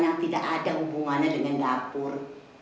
yang tidak ada hubungannya dengan dapur